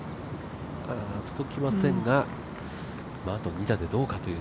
届きませんがあと２打でどうかという。